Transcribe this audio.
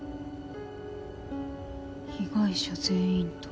被害者全員と。